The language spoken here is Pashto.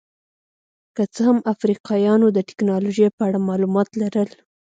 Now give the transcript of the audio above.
که څه هم افریقایانو د ټکنالوژۍ په اړه معلومات لرل.